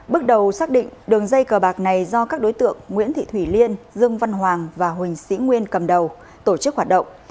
bước đầu xác định đường dây cờ bạc này do các đối tượng nguyễn thị thủy liên dương văn hoàng và huỳnh sĩ nguyên cầm đầu tổ chức hoạt động